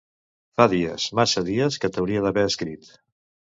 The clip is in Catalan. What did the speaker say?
Fa dies, massa dies, que t’hauria d’haver escrit.